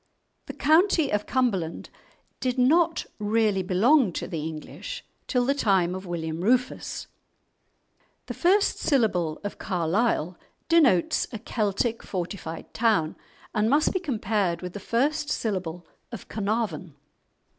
The county of Cumberland did not really belong to the English till the time of William Rufus. The first syllable of "Carlisle" denotes a Celtic fortified town, and must be compared with the first syllable of "Carnarvon."